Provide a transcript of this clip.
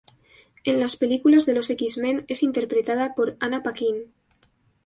En las películas de los X-Men es interpretada por Anna Paquin.